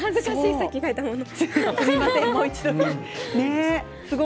さっき書いたもの。